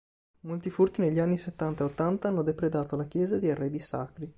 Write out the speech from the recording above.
Molti furti negli anni settanta e ottanta hanno depredato la chiesa di arredi sacri.